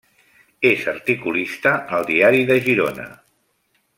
És articulista al Diari de Girona.